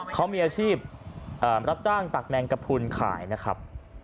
เขามีอาชีพรับจ้างตักแมงกระพุนขายนะครับ